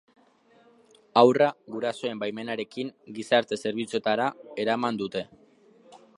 Haurra, gurasoen baimenarekin, gizarte zerbitzuetara eraman dute.